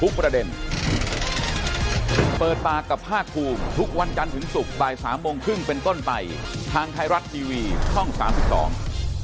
เปิดปากกับภาคภูมิทุกวันจันทร์ถึงศุกร์บ่ายสามโมงครึ่งเป็นต้นไปทางไทยรัฐทีวีช่องสามสิบสอง